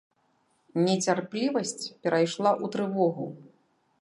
Нецярплівасць перайшла ў трывогу.